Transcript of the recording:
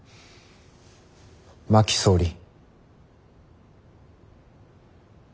真木総理。